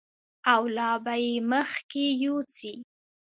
او لا به یې مخکې یوسي.